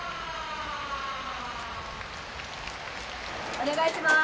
お願いします！